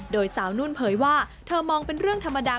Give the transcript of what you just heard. โดยสาวนุ่นเผยว่าเธอมองเป็นเรื่องธรรมดา